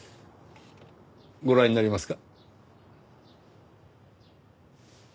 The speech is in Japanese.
ご覧になりますか？